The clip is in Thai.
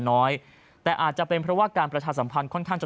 น้อยแต่อาจจะเป็นเพราะว่าการประชาสัมพันธ์ค่อนข้างจะ